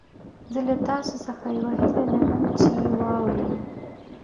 زه له تاسو څخه يوه هيله لرم چې يې واورئ.